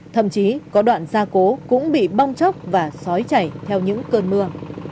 thậm chí có đoạn gia cố cũng bị bong chốc và xói chảy theo những cơn mưa